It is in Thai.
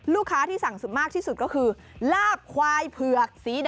ลูกค้าที่สั่งมากที่สุดก็คือ